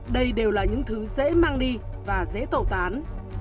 đây đều là những thứ dễ mang đi và dễ tẩu tán